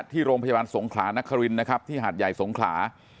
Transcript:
ที่โรงพยาบาลสงขลานครินนะครับที่หาดใหญ่สงขลา